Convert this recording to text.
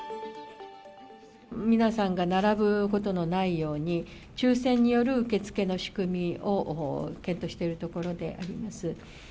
皆さんが並ぶことのないように、抽せんによる受け付けの仕組みを検討しているところであります。